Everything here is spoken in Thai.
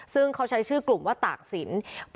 ซึ่งเขาใช้ชื่อกลุ่มว่าตากศิลป์